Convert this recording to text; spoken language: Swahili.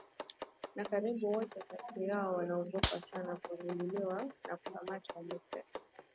Na karibu wote kati yao wanaogopa sana kugunduliwa na kukamatwa amesema